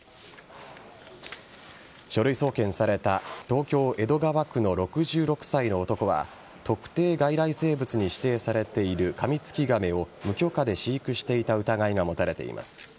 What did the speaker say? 書類送検された東京・江戸川区の６６歳の男は特定外来生物に指定されているカミツキガメを無許可で飼育していた疑いが持たれています。